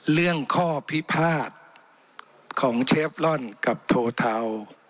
เรื่องข้อพิพาทของเชฟลอนกับโทเทา